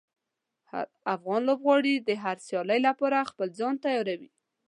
افغان لوبغاړي د هرې سیالۍ لپاره خپل ځان تیاروي.